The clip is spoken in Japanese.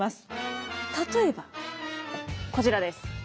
例えばこちらです。